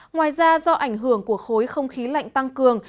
ngoài ra do ảnh hưởng của khối không khí lạnh tăng cường